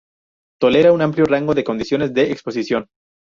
Tolera un amplio rango de condiciones de exposición.